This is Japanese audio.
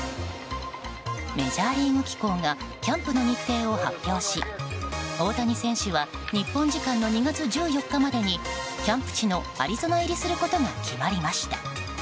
メジャーリーグ機構がキャンプの日程を発表し大谷選手は日本時間の２月１４日までにキャンプ地のアリゾナ入りすることが決まりました。